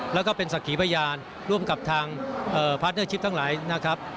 แล้วก็เป็นสักขีพยานร่วมกับทางพาร์ทเดอร์ชิปทั้งหลายนะครับ